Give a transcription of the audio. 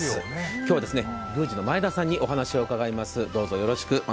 今日は宮司の前田さんにお話を伺います。